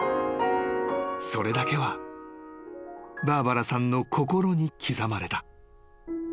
［それだけはバーバラさんの心に刻まれた］